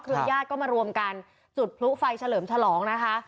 ญาติก็มารวมกันจุดพลุไฟเฉลิมฉลองนะคะ